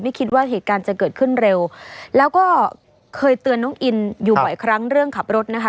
คิดว่าเหตุการณ์จะเกิดขึ้นเร็วแล้วก็เคยเตือนน้องอินอยู่บ่อยครั้งเรื่องขับรถนะคะ